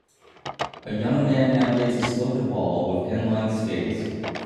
A young man navigates a sloped wall with inline skates